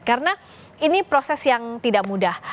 karena ini proses yang tidak mudah